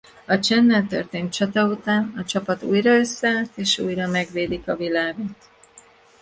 A Chen-nel történt csata után a csapat újra összeállt és újra megvédik a világot.